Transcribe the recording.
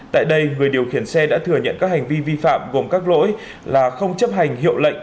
tại đây người điều khiển xe đã thừa nhận các hành vi vi phạm gồm các lỗi là không chấp hành hiệu lệnh